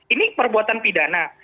ini perbuatan pidana